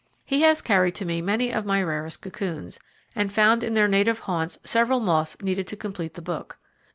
He has carried to me many of my rarest cocoons, and found in their native haunts several moths needed to complete the book.